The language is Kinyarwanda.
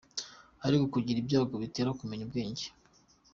Ariko kugira ibyago bitera kumenya ubwenge.